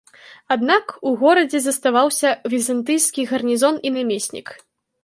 Аднак у горадзе заставаўся візантыйскі гарнізон і намеснік.